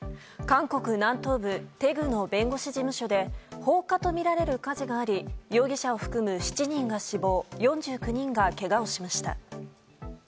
韓国南東部テグの弁護士事務所で放火とみられる火事があり容疑者を含む７人が死亡４９人がけがをしました。